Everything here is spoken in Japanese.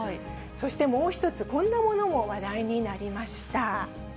そしてもう１つ、こんなものも話題になりました。